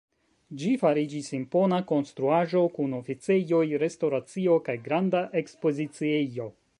Ĝi fariĝis impona konstruaĵo kun oficejoj, restoracio kaj granda ekspoziciejo.